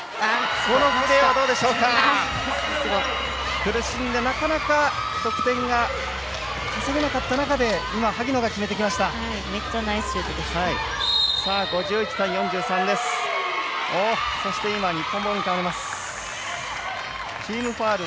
苦しんでなかなか得点が稼げなかった中で萩野が決めてきました。